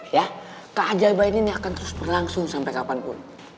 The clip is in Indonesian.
ya keajaiban ini akan terus berlangsung sampai kapanpun